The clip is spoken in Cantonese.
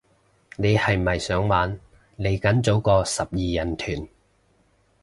你係咪想玩，嚟緊組個十二人團